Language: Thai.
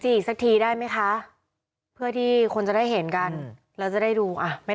อีกสักทีได้ไหมคะเพื่อที่คนจะได้เห็นกันแล้วจะได้ดูอ่ะไม่